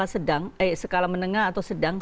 sedang eh skala menengah atau sedang